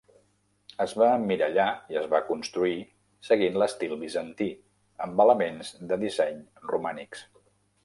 Es va emmirallar i es va construir seguint l'estil bizantí, amb elements de disseny romànics.